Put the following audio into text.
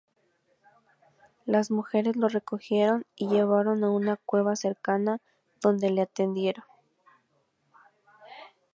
Las mujeres lo recogieron y llevaron a una cueva cercana, donde le atendieron.